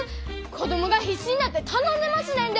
子供が必死になって頼んでますねんで！